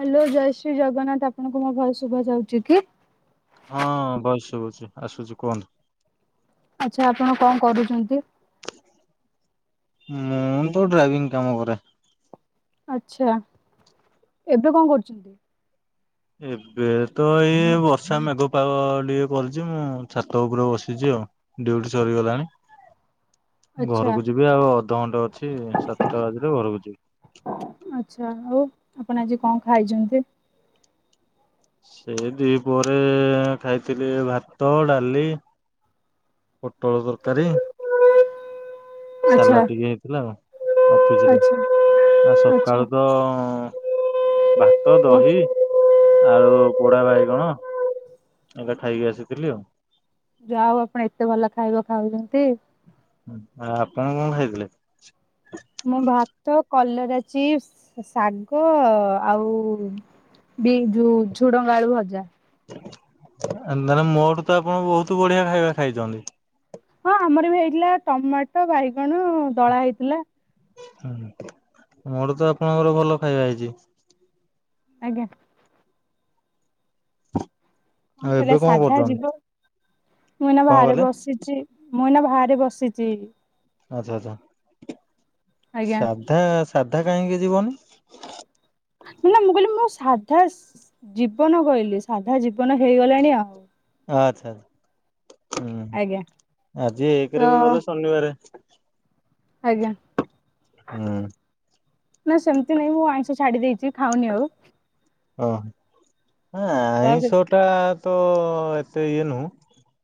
Hello ଜୟ ଶ୍ରୀ ଜଗନ୍ନାଥ। ଆପଣଙ୍କୁ ମୋ ଭୟସ ଶୁଭା ଯାଉଚି କି? ହଁ ବସ ସୁବୁଛି ଆସୁଛି କୁହନ୍ତୁ। ଆଚ୍ଛା ଆପଣ କଣ କରୁଚନ୍ତି? ମୁଁ ତ ଡ୍ରାଇଭିଂ କାମ କରେ। ଆଛା ଏବେ କଣ କରୁଚନ୍ତି? ଏବେ ତ ଏଇ ବର୍ଷା ମେଘ ପାଗ ଟିକେ କରିଚି ମୁଁ ଛାତ ଉପରେ ବସିଚି ଆଉ। ଡ୍ୟୁଟି ସରିଗଲାଣି। ଆଚ୍ଛା ଘରକୁ ଯିବି ଆଉ ଅଧଘଣ୍ଟା ଅଛି ସାତଟା ବାଜିଲେ ଘରକୁ ଯିବି। ହୋଉ ଆଛା ଆଉ ଆପଣ ଆଜି କଣ ଖାଇଚନ୍ତି? ଏ ଦିପହରେ ଖାଇଥିଲି ଭାତ ଡାଲି ପୋଟଳ ତରକାରୀ ଆଚ୍ଛା ସାଲାଟ ଟିକେ ହେଇଥିଲା ଆଉ ଅଫିସ ରେ ଆଚ୍ଛା ଆ ଆଚ୍ଛା। ସକାଳୁ ତ ଭାତ ଦହି ଆଉ ପୋଡାବାଇଗଣ ଏରା ଖାଇକି ଆସିଥିଲି ଆଉ। ଯାହ ହୋଉ ଆପଣ ଏତେ ଭଲ ଖାଇବା ଖାଉଚନ୍ତି। ଆ ଆପଣ କଣ ଖାଇଥିଲେ? ମୁଁ ଭାତ, କଲରା ଚିପ୍ସ, ଶାଗ ଆଉ ବି ଯୋଉ ଝୁଡଙ୍ଗ ଆଳୁ ଭଜା। ଆ ମୋଠୁ ତ ଆପଣ ବହୁତ ବଢିଆ ଖାଇବା ଖାଇଚନ୍ତି। ହଁ ଆମର ବି ହେଇଥିଲା ଟମାଟ ବାଇଗଣ ଦଳା ହେଇଥିଲା। ହୁଁ, ମୋଠୁ ତ ଆପଣଙ୍କର ଭଲ ଖାଇବା ହେଇଚି। ଆଜ୍ଞା। କଣ ଆଉ ଏବେ କହିଆ, ସାଧା କରୁଛନ୍ତି? ଜୀବ। ମୁଁ ଏଇନା କଣ ବାହାରେ କହିଲେ? ବସିଚି। ଚି, ମୁଁ ଏଇନା ବାହାରେ ବସିଚି। ଆଚ୍ଛା, ଆଚ୍ଛା। ଆଜ୍ଞା ସାଧା, ସାଧା କାହିଁକି ଯିବନି? ନା ମୁଁ କହିଲି ମୁଁ ସାଧା ସ ଜୀବନ କହିଲି। ସାଧା ଜୀବନ ହେଇଗଲାଣି ଆଉ। ହଉ ଆଚ୍ଛା, ଆଚ୍ଛା। ହୁଁ ଆଜ୍ଞା ଆଜି ତ ଏକେରେ ବି ଗଲେ ଶନିବାରେ। ଆଜ୍ଞା। ହୁଁ। ନାଁ ସେମତି ବି ମୁଁ ଆଇଁଷ ଛାଡି ଦେଇଚି, ଖାଉନି ଆଉ। ହଁ, ହଁ ତ ସେ ଆଇଁଷ ଟା ତ ଏତେ ଇଏ ନୁହୁଁ।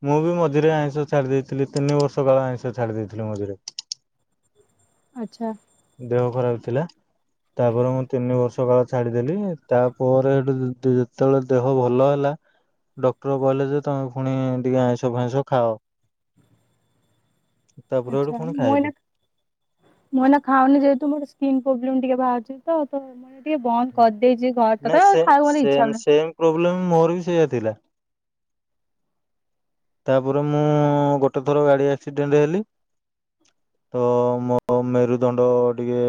ମୁଁ ବି ମଝିରେ ଆଇଁଷ ଛାଡି ଦେଇଥିଲି। ତିନି ବର୍ଷ କାଳ ଆଇଁଷ ଛାଡି ଦେଇଥିଲି ମଝିରେ। ଆଚ୍ଛା। ଦେହ ଖରାପ ଥିଲା। ତାପରେ ମୁଁ ତିନି ବର୍ଷ କାଳ ଛାଡିଦେଲି। ତାପରେ ହେଠୁ ଦି ଯେତବଳେ ଦେହ ଭଲ ହେଲା ଡକ୍ଟର କହିଲେଯେ ତମେ ଫୁଣି ଟିକେ ଆଇଁଷ ଫାଇଁସ ଖାଅ। ତାପରେ ହେଠୁ ଆଚ୍ଛା, ପୁଣି ମୁଁ ଖାଇଲି। ଏଇନକା ମୁଁ ଏଇନା ଖାଉନି ଯେହେତୁ ମୋର ସ୍କିନ୍ ପ୍ରୋବ୍ଲେମ ଟିକେ ବାହାରିଚି ତ। ତ ମୁଁ ଏ ଟିକେ ବନ୍ଦ କରିଦେଇଚି [unintelligible] ଆଉ ନା ସେ ଖାଇବାକୁ ମତେ ଇଚ୍ଛା ସେମ ହଉନି। ସେମ ପ୍ରୋବ୍ଲେମ ମୋର ବି ସେଇଆ ଥିଲା। ତାପରେ ମୁଁ ଗୋଟେଥର ଗାଡି ଆକ୍ସିଡେଣ୍ଟ ହେଲି। ତ ମୋର ମେରୁଦଣ୍ଡ ଟିକେ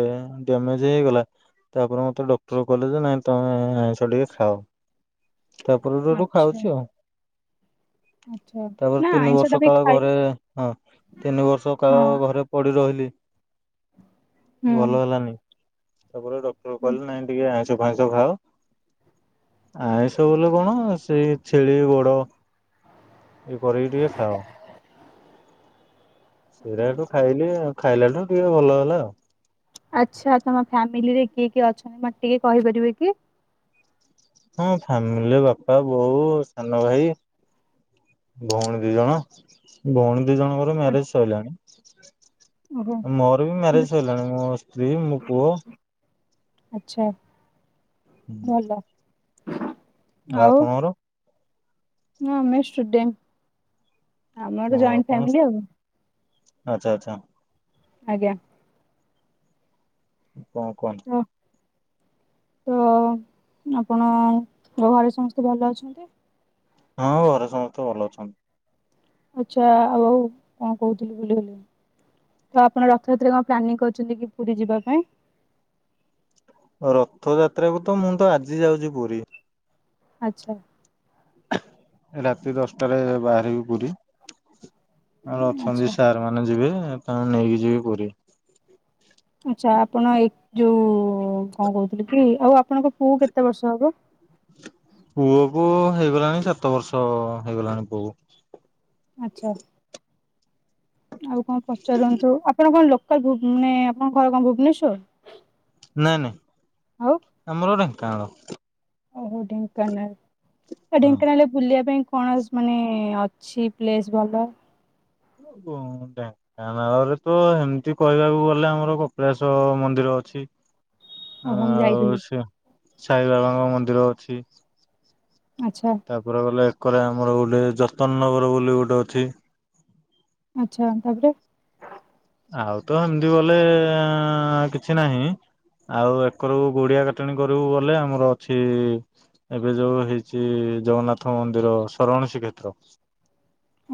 ଡ୍ୟାମେଜ ହେଇଗଲା। ତାପରେ ମତେ ଡକ୍ଟର କହିଲେ ଯେ ନାଇଁ ତମେ ଆଇଁଷ ଟିକେ ଖାଅ। ତାପରେ ତ ହେଠୁ ଆଚ୍ଛା ଖାଉଚି ଆଉ। [inaudible] ତାପରେ ନା ତିନି ଆଇଁଷ ଟା ବର୍ଷ ବି କାଳ ଖାଇ ଘରେ ହଁ, ତିନି ବର୍ଷ କାଳ ହଁ ଘରେ ପଡିରହିଲି, ଭଲ ହୁଁ। ହେଲାନି। ତାପରେ ଡକ୍ଟର କହିଲେ ନାଇଁ ଟିକେ ଆଇଁଷ ଆଇଁଷ ବୋଲେ କଣ ସେଇ ଛେଳି ଗୋଡ ଇଏ କରିକି ଟିକେ ଖାଅ। ସେରା ହେଠୁ ଖାଇଲି। ଖାଇଲାଠୁ ଟିକେ ଭଲ ହେଲା ଆଉ। ଆଚ୍ଛା, ତମ ଫ୍ୟାମିଲିରେ କିଏ କିଏ ଅଛନ୍ତି ମତେ ଟିକେ କହିପାରିବେ କି? ହଁ ଫ୍ୟାମିଲିରେ ବାପା, ବୋଉ, ସାନଭାଇ। ଭଉଣୀ ଦିଜଣ। ଭଉଣୀ ଦିଜଣଙ୍କର ଆଚ୍ଛା, ମ୍ୟାରେଜ ସଇଲାଣି। ଓହୋ। ମୋର ବି ମ୍ୟାରେଜ ସଇଲାଣି। ମୋ ସ୍ତ୍ରୀ ମୋ ପୁଅ ଆଚ୍ଛା। ହୁଁ। ଭଲ ଆଉ ଆପଣଙ୍କର? ନା ମୁଁ ସ୍ଟୁଡେଣ୍ଟ। ହଁ ଆପଣ, ଆଉ ଆଚ୍ଛା, ଆଚ୍ଛା। ଆଜ୍ଞା। କଣ କୁହ? ହଁ। ତ ଆପଣ ଘରେ ସମସ୍ତେ ଭଲ ଅଛନ୍ତି? ହଁ ଘରେ ସମସ୍ତେ ଭଲ ଅଛନ୍ତି। ଆଚ୍ଛା ଆଉ କଣ କହୁଥିଲି ଭୁଲିଗଲି। ତ ଆପଣ ରଥଯାତ୍ରାରେ କଣ ପ୍ଲାନିଂ କରୁଛନ୍ତି କି ପୁରୀ ଯିବା ପାଇଁ? ରଥଯାତ୍ରା କୁ ତ ମୁଁ ତ ଆଜି ଯାଉଛି ପୁରୀ। ଆଚ୍ଛା। ରାତି ଦଶଟାରେ ବାହାରିବି ପୁରୀ ଆମର ଆଚ୍ଛା। ଅଛନ୍ତି ସାର୍। ସେମାନେ ଯିବେ ତାଙ୍କୁ ନେଇକି ଯିବି ପୁରୀ। ଆଚ୍ଛା ଆପଣ ଏ ଯୋଉ କଣ କହୁଥିଲି କି ଆଉ ଆପଣଙ୍କ ପୁଅ କେତେ ବର୍ଷ ହବ? ପୁଅ କୁ ହେଇଗଲାଣି ସାତ ବର୍ଷ ହେଇଗଲାଣି ପୁଅକୁ। ଆଛା ଆଉ କଣ ପଚାରନ୍ତୁ ଆପଣ କଣ ଲୋ ମାନେ ଆପଣଙ୍କର କଣ ଭୁବନେଶ୍ଵର? ନାଇଁ ନାଇଁ ଆଉ ଆମର ଢେଙ୍କାନାଳ। ଓହୋ ଢେଙ୍କାନାଳ ଓ ଢେଙ୍କାନାଳରେ ବୁଲିବା ପାଇଁ କଣ ମାନେ ଅଛି ପ୍ଲେସ୍ ଭଲ? ଓ କଁ ଟା। ଢେଙ୍କାନାଳ ତ ଏମିତି କହିବାକୁ ଗଲେ ଆମର କପିଳାଶ ମନ୍ଦିର ଅଛି। ଓହୋ ମୁଁ ଯାଇଥିଲି ଆଉ ସେ ସାଇ ବାବାଙ୍କ ମନ୍ଦିର ଅଛି। ଆଚ୍ଛା। ତାପରେ ଗଲେ ଏକରେ ଆମର ଗୋଟେ ଯତ୍ନ ନଗର ବୋଲି ଗୋଟେ ଅଛି। ଆଚ୍ଛା ତାପରେ? ଆଉ ତ ହେମିତି ବଲେ କିଛି ନାହିଁ। ଆଉ ଏକରକୁ ଗୋଡିଆ କଟଣି କରିବୁ ଗଲେ ଆମର ଅଛି। ଏବେ ଯୋଉ ହେଇଛି ଜଗନ୍ନାଥ ମନ୍ଦିର ସରଣ ଶ୍ରୀ କ୍ଷେତ୍ର।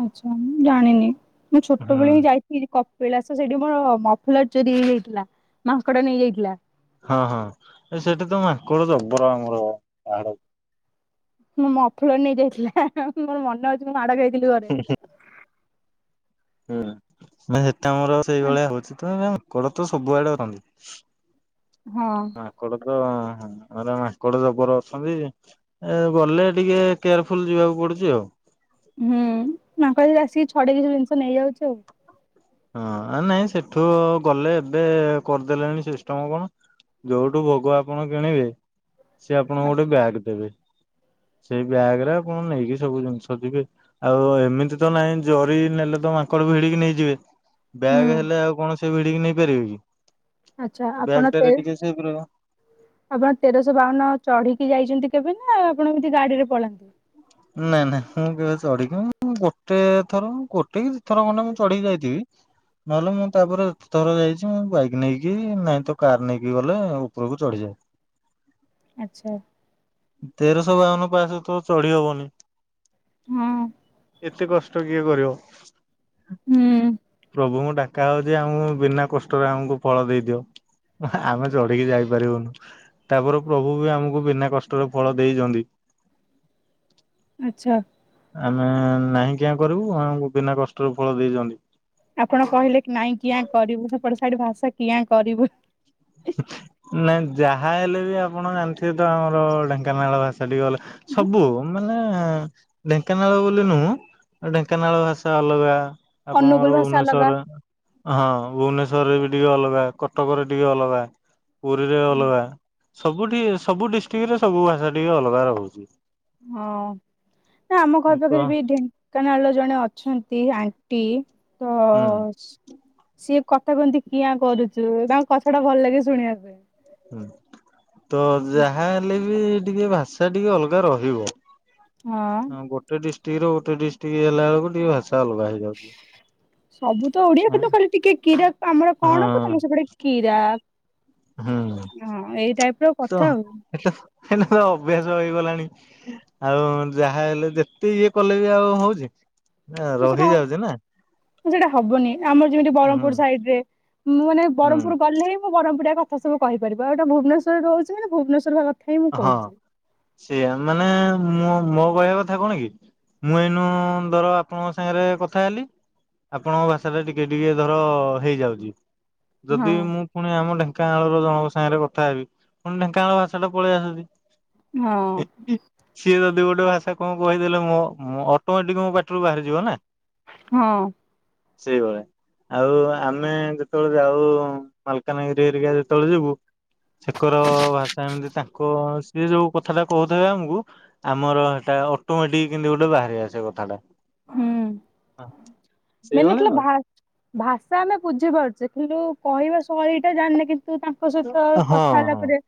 ଆଚ୍ଛା ମୁଁ ଜାଣିନି ମୁଁ ହୁଁ ଛୋଟବେଳେ ହିଁ ଯାଇ ଏଇ ଯ କପିଳାସ ସେଇଠି ମୋର ମଫଲର ଚୋରି ହେଇଯାଇଥିଲା ମାଙ୍କଡ଼ ନେଇଯାଇଥିଲା। ହଁ ହଁ ଏ ସେଠି ତ ମାଙ୍କଡ ଜବର ଆମର ପାହାଡ ମୋ ମଫଲର ନେଇ ଯାଇଥିଲା ମୋର ମନେ ଅଛି ମୁଁ ମାଡ ଖାଇଥିଲି ଘରେ। ହୁଁ ସେଟା ଆମର ସେଇଭଳିଆ ହଉଛି ମାଙ୍କଡ ତ ସବୁଆଡେ ଅଛନ୍ତି। ହଁ। ମାଙ୍କଡ ତ ମାନେ ମାଙ୍କଡ ଜବର ଅଛନ୍ତି। ଏ ଗଲେ ଟିକେ କେୟାରଫୁଲ ଯିବାକୁ ପଡୁଛି ଆଉ। ହୁଁ ମାଙ୍କଡ ଆସିକି ଛଡେଇ କିଛି ଜିନିଷ ନେଇଯାଉଛି ଆଉ। ହଁ ନାଇଁ ସେଠୁ ଗଲେ ଏବେ କରିଦେଲେଣି ସିଷ୍ଟମ କଣ। ଯୋଉଠୁ ଭଗ ଆପଣ କିଣିବେ ସେ ଆପଣଙ୍କୁ ଗୋଟେ ବ୍ୟାଗ ଦେବେ। ସେଇ ବ୍ୟାଗ ରେ ଆପଣ ନେଇକି ସବୁ ଜିନିଷ ଯିବେ। ଆଉ ଏମିତି ତ ନହିଁ ଜରି ନେଲେ ତ ମାଙ୍କଡକୁ ଭିଡିକି ନେଇଯିବେ। ହୁଁ ବ୍ୟାଗ୍ ହେଲେ ଆଉ କଣ ସେ ଭିଡିକ ନେଇପାରିବେ କି ଆଚ୍ଛା ଆପଣ ବ୍ୟାଗ ତେ ଟାରେ ଟିକେ ସେଫ ରହିବ। ଆପଣ ତେରଶହ ବାଉନ ଚଢିକି ଯାଇଛନ୍ତି କେବେ ନା ଆପଣ ଏମିତି ଗାଡିରେ ପଳାନ୍ତି। ନାଇଁ ନାଇଁ ମୁଁ କେବେ ଚଢିକି ଗୋଟେ ଥର ଗୋଟେ କି ଦଇ ଥର ଖଣ୍ଡେ ମୁଁ ଚଢିକି ଯାଇଥିବି। ନହେଲେ ମୁଁ ତାପରେ ଏତେ ଥର ଯାଇଛି ମୁଁ ବାଇକ ନେଇକି ନାଇଁ ତ କାର ନେଇକି ଗଲେ ଉପରକୁ ଚଢିଯାଏ। ଆଚ୍ଛା। ତେରଶ ବାଉନ ପାହା ଶ ତ ଚଢି ହବନି। ହଁ ଏତେ କଷ୍ଟ କିଏ କରିବ? ହୁଁ ପ୍ରଭୁଙ୍କୁ ଡାକା ହଉଛି ଆମ ବିନା କଷ୍ଟରେ ଆମକୁ ଫଳ ଦେଇଦିଅ। ଆମେ ଚଢିକି ଯାଇପାରିବୁନୁ। ତାପରେ ପ୍ରଭୁ ବି ଆମକୁ ବିନା କଷ୍ଟରେ ଫଳ ଦେଇଚନ୍ତି। ଆଚ୍ଛା। ଆମେ ନାହିଁ କିଆଁ କରିବୁ ଆମକୁ ବିନା କଷ୍ଟରୁ ଫଳ ଦେଇଚନ୍ତି। ଆପଣ କହିଲେ କି ନାଇଁ କିଆଁ କରିବୁ ସେପଟ ସାଇଟ ଭାଷା କିଆଁ କରିବୁ। ନାଇଁ ଯାହା ହେଲେ ବି ଆପଣ ଜାଣିଥିବେ ତ ଆମର ଢେଙ୍କାନାଳ ଭାଷା ଟିକେ ଗଲେ ସବୁ ମାନେ ଢେଙ୍କାନାଳ ବୋଲି ନୁହଁ। ଢେଙ୍କାନାଳ ଭାଷା ଅଲଗା ଅନୁଗୁଳ ଆପଣଙ୍କର ଭାଷା ଅଲଗା। ଭୁବନେଶ୍ଵର ହଁ ଭୁବନେଶ୍ଵର ରେ ବି ଟିକେ ଅଲଗା କଟକ ରେ ଟିକେ ଅଲଗା। ପୁରୀରେ ଅଲଗା ସବୁଠି ସବୁ ଡିଷ୍ଟ୍ରିକଟରେ ସବୁ ଭାଷା ଟିକେ ଅଲଗା ରହୁଚି। ହଁ ନା ଆମ ଘର ତ ପାଖରେ ବି ଢେଙ୍କାନାଳ ର ଜଣେ ଅ ଅଛନ୍ତି ଆଣ୍ଟି ତ ହୁଁ ସିଏ କଥା କହନ୍ତି କିଆ କରୁଚୁ ତାଙ୍କ କଥା ଟା ଭଲ ଲାଗେ ଶୁଣିବା ପାଇଁ। ହୁଁ। ତ ଯାହା ହେଲେ ବି ଟିକେ ଭାଷା ଟିକେ ଅଲଗା ରହିବ। ହଁ ଗୋଟେ ଡିଷ୍ଟ୍ରିକ୍ଟ ର ଗୋଟେ ଡିଷ୍ଟ୍ରିକଟ ହେଲା ବେଳକୁ ଟିକେ ଭାଷା ଅଲଗା ହେଇ ସବୁ ତ ଓଡିଆ କିନ୍ତୁ କହିଲେ ଟିକେ କିରା ଆମର କଣ କ ତମେ ହଁ ସେପଟେ କିୀରା ହୁଁ ହଁ ଏଇ ଟାଇପ ର କଥା ଆଉ। ହେଲେ ତ ଅଭ୍ୟାସ ହେଇଗଲାଣି। ଆଉ ଯାହା ହେଲେ ଯେତେ ଇଏ କଲେ ବି ଆଉ ହଉଚି ନା ସେଟା ରହିଯାଉଚି ନା। ସେଇଟା ହବନି ଆମର ଯେମିତି ହୁଁ ବ୍ରହ୍ମପୁର ସାଇଡ ରେ ମୁଁ ମାନେ ହୁଁ ବ୍ରହ୍ମପୁର ଗଲେ ବହମପୁରିଆ କଥା ସବୁ କହିପାରିବା। ଭୁବନେଶ୍ୱର୍ ରହୁଛି ମାନ ଭୁବନେଶ୍ୱର୍ କଥା ହିଁ ମୁଁ ହଁ କହୁଛି। ସେଆ ମାନେ ମୁଁ ମୋ କହିବା କଥା କଣ କି ମୁଁ ଏଇନୁ ଧର ଆପଣଙ୍କ ସାଙ୍ଗରେ କଥା ହେଲି। ଆପଣଙ୍କ ଭାଷା ଟା ଟିକେ ଟିକେ ଧର ହେଇଯାଉଚି। ଯଦି ହଁ ମୁଁ ପୁଣି ଆମ ଢେଙ୍କାନାଳର ଜଣଙ୍କ ସାଙ୍ଗରେ କଥା ହେବି ପୁଣି ଢେଙ୍କାନାଳ ଭାଷା ଟା ପଳେଇ ହଁ ଆସୁଚି। ସିଏ ତଦି ଗୋଟେ ଭାଷା କଣ କହିଦେଲେ ମୋ ଅଟୋମେଟିକ ମୋ ପାଟିରୁ ବାହାରିଯିବ ନା। ହଁ। ସେଇ ଭଳିଆ। ଆଉ ଆମେ ଯେତେବେଳେ ଯାଉ ମାଲକାନଗିରି ଏରିକା ଯେତେବେଳେ ଯିବୁ ସେକର ଭାଷା ଏମିତି ତାଙ୍କ ସିଏ ଯୋଉ କଥା ଟା କହୁଥେ ଆମକୁ ଆମର ସେଟା ଅଟୋମେଟିକ କିମତି ଗୋଟେ ବାହାରିିବାସ କଥାଟା। ହୁଁ। ମେନ୍ ସେଇଭଳି କଥା ଆଉ। ଭା ଭାଷା ଆମେ ବୁଝିପାରୁଚେ କିନ୍ତୁ କହିବା ଶୈଳୀଟା ଜାଣିନେ କିନ୍ତୁ ତାଙ୍କ ତାଙ୍କ ସହିତ ହଁ କଥା ହେଲା ହଁ ପରେ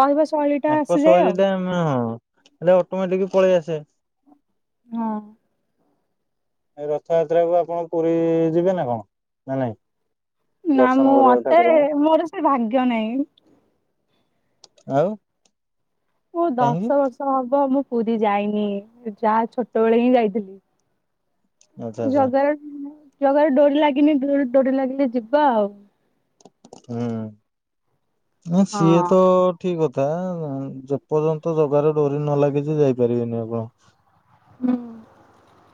କହିବା ଶୈଳୀ ଟା ଆସିଯାଏ ଆଉ। ହ ହଁ ହେଲେ ଅଟୋମେଟିକ ପଳେଇ ଆସେ। ହଁ। ଏ ରଥଯାତ୍ରା କୁ ଆପଣ ପୁରୀ ଯିବେ ନା କଣ ନା ନାଇଁ? ନା ଦର୍ଶନ ମୁଁ କରିବାକୁ ମତେ ଠାକୁରଙ୍କୁ ମୋର ସେ ଭାଗ୍ୟ ନାହିଁ। ଆଉ? ମୁଁ କାହିଁକି ଦଶ ବର୍ଷ ହବ ମୁଁ ପୁରୀ ଯାଇନି ଯାହା ଛୋଟବେେଳେ ହିଁ ଯାଇଥିଲି। ଆଚ୍ଛା ଆଚ୍ଛା ଜଗାରେ ଜଗାରେ ଡୋରି ଲାଗିନି ଡୋରି ଲାଗିଲେ ଯିବା ଆଉ। ହୁଁ ନା ସିଏ ତ ଠିକ କଥା। ତା ଯେ ପର୍ଯ୍ୟନ୍ତ ଜଗାର ଡୋରି ନ ଲାଗିଛି ଯାଇପାରିବେନି ଆପଣ। ହୁଁ।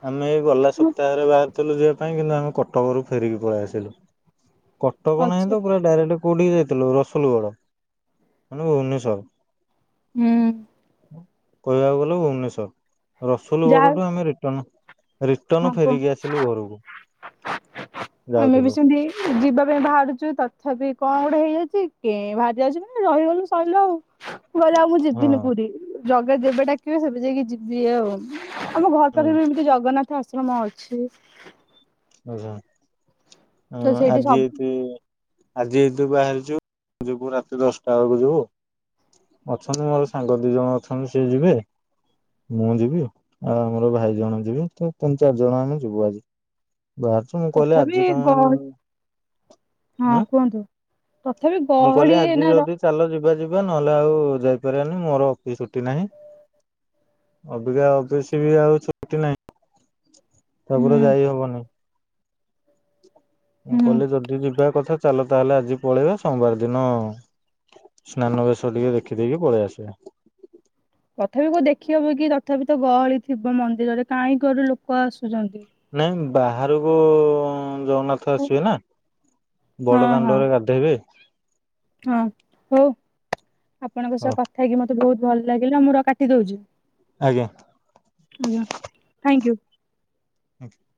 ଆମେ ଏଇ ଗଲା ସପ୍ତାହରେ ବାହାରିଥିଲୁ ଯିବା ପାଇଁ କିନ୍ତୁ ଆମେ କଟକରୁ ଫେରିକି ପଳେଇ ଆସିଲୁ। କଟକ ନାହିଁ ଅଛି ତ ପୁରା ଡାଇରେକ୍ଟ କୋଉଠିକି ଯାଇଥିଲୁ ରସୁଲଗଡ ମାନେ ଭୁବନେଶ୍ଵର। ହୁଁ। କହିବାକୁ ଗଲେ ଭୁବନେଶ୍ଵର ଯାହା ରସୁଲୁଗଡଠୁ ଆମେ ରିଟର୍ଣ ରିଟର୍ଣ ହଁ କୁହ। ଫେରିକି ଆସିଲୁ ଘରକୁ ଆମେ ବି ଯାଉଥିଲୁ। ସେମିତି ଯିବା ପାଇଁ ବାହାରୁଛୁ ତଥାପି କଣ ଗୋଟେ ହେଇଯାଇଛି କେଁ ବାହାରି ଯାଉଛି ନା ରହିଗଲୁ ସରିଲୁ ଆଉ। ମୁଁ କହିଲି ଆଉ ମୁଁ ଯିବିନି ହଁ। ପୁରୀ ଜଗା ଯେବେ ଡାକିବେ ସେବେ ଯାଇକି ଯିବି ଆଉ। ଆମ ଘର ପାଖରେ ବି ଏମିତି ଜଗନ୍ନାଥ ଆଶ୍ରମ ଅଛି। ଆଛା ତ ସେଇଠି ଆଜି ସବୁ ଏଇତି ଆଜି ଏଦୁ ବାହାରିଛୁ ଯିବୁ ରାତି ଦଶଟା ବେଳକୁ ଯିବୁ। ଅଛନ୍ତି ମୋର ସାଙ୍ଗ ଦି ଜଣ ଅଛନ୍ତି ସିଏ ଯିବେ। ମୁଁ ଯିବି ଆଉ ଆମର ଭାଇ ଜଣେ ଯିବି ତ ତିନି ଚାରି ଜଣ ଆମେ ଯିବୁ ଆଜି। ବାହାରୁଛୁ ମୁଁ କହିଲି ତଥାପି ଆଜି ତମେ ଗହଳି ହଁ ଉଁ କୁହନ୍ତୁ ତଥାପି ମୁଁ କହିଲି ଗହଳି ଆଜି ଏନା ଯଦି ଚାଲ ଯିବା ଯିବା ନହେଲେ ଆଉ ଯାଇପାରିବାନି ମୋର ଅଫିସ ଟି ନାହିଁ। ଅବିକା ଅଫିସ ବି ଆଉ ଛୁଟି ନାହିଁ ତାପରେ ହୁଁ ଯାଇ ହବନି। ମୁଁ ହୁଁ। କହିଲି ଯଦି ଯିବା କଥା ଚାଲ ତାହେଲେ ଆଜି ପଳେଇବା ସୋମବାର ଦିନ ସ୍ନାନ ବେଶ ଟିକେ ଦେଖିଦେଇକି ପଳେଇ ଆସିବା। ତଥାପି କୋଉ ଦେଖି ହବ କି ରଥ ତଥାପି ତ ଗହଳି ଥିବ ମନ୍ଦିରରେ କାହିଁ କୋଉଆଡୁ ରୁ ଲୋକ ଆସୁଛନ୍ତି। ନାଇଁ ବାହାରକୁ ଜଗନ୍ନାଥ ହଁ ଆସିବେ ନା ବଡ ହଁ ଦାଣ୍ଡରେ ଗାଧ ହେବେ। ହଁ ହଉ ଆପଣଙ୍କ ହଁ ସହ କଥା ହେଇକି ମତେ ବହୁତ ଭଲ ଲାଗିଲା ମୁଁ ର କାଟିଦେଉଚି। ଆଜ୍ଞା। ଆଜ୍ଞ ଥ୍ୟାଙ୍କୟୁ। ଆଜ୍ଞା।